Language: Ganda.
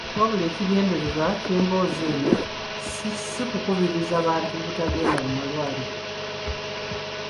Wabula, ekigendererwa ky’emboozi eno si kukubiriza bantu butagenda mu malwaliro.